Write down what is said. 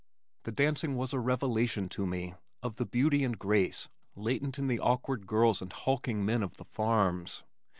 The dancing was a revelation to me of the beauty and grace latent in the awkward girls and hulking men of the farms.